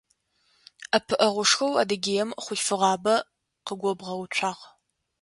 Ӏэпыӏэгъушхоу Адыгеем хъулъфыгъабэ къыгобгъэуцуагъ.